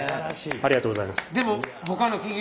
ありがとうございます。